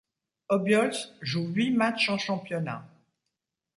Obiols joue huit matchs en championnat.